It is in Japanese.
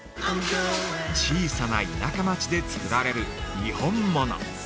小さな田舎町で作られる「にほんもの」